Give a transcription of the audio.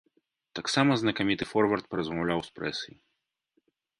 Таксама знакаміты форвард паразмаўляў з прэсай.